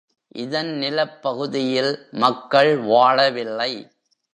இதன் நிலப்பகுதியில் மக்கள் வாழவில்லை.